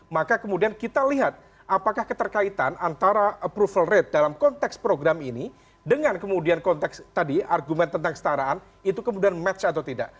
maka kemudian kita lihat apakah keterkaitan antara approval rate dalam konteks program ini dengan kemudian konteks tadi argumen tentang kesetaraan itu kemudian match atau tidak